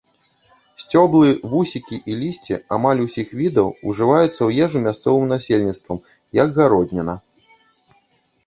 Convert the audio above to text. Сцёблы, вусікі і лісце амаль усіх відаў ўжываюцца ў ежу мясцовым насельніцтвам як гародніна.